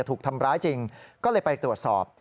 ถูกทำร้ายจริงก็เลยไปตรวจสอบ